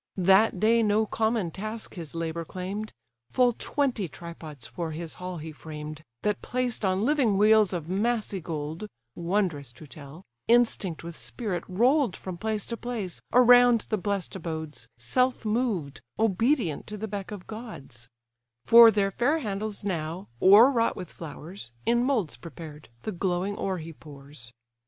That day no common task his labour claim'd: Full twenty tripods for his hall he framed, That placed on living wheels of massy gold, (Wondrous to tell,) instinct with spirit roll'd From place to place, around the bless'd abodes Self moved, obedient to the beck of gods: For their fair handles now, o'erwrought with flowers, In moulds prepared, the glowing ore he pours.